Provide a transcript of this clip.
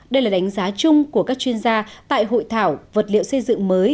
đây là đánh giá chung của các chuyên gia tại hội thảo vật liệu xây dựng mới